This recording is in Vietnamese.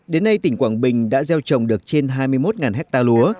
đến nay tỉnh quảng bình đã gieo trồng được trên hai mươi một ha lúa